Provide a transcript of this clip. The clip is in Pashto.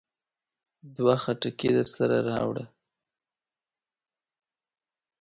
دوه خټکي درسره راوړه.